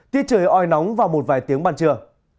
tiết trời oi nóng vào một vài tiếng ban trưa